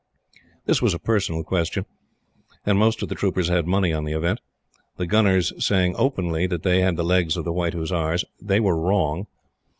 This was a personal question, and most of the troopers had money on the event; the Gunners saying openly that they had the legs of the White Hussars. They were wrong.